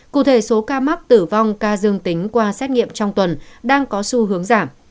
cụ thể số ca mắc tử vong ca dương tính qua xét nghiệm trong tuần đang có xu hướng giảm